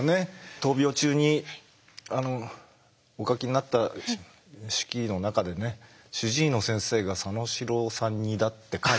闘病中にお書きになった手記の中でね主治医の先生が佐野史郎さん似だって書いて。